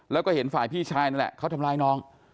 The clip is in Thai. แล้วก็เห็นฝ่ายพี่ชายนั่นแหละเขาทำร้ายน้อง